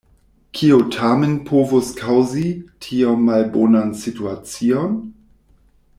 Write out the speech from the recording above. Kio tamen povus kaŭzi tiom malbonan situacion?